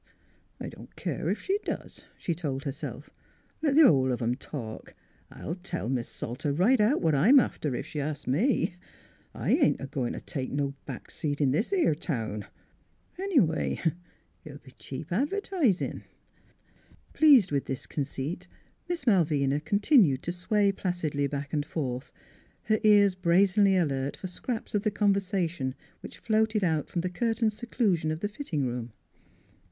" I don't care ef she does," she told herself. "Let th' hull of 'em talk! I'll tell Mis' Salter right out what I'm after, ef she asks me. I ain't a goin' t' take no back seat in this 'ere town. Any way, it'll be cheap advertisin'." Pleased with this conceit, Miss Malvina con tinued to sway placidly back and forth, her ears brazenly alert for scraps of the conversation which floated out from the curtained seclusion of the fitting room.